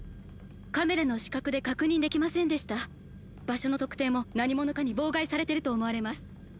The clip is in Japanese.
カメラの死角で確認できませんでした場所の特定も何者かに妨害されてると思われます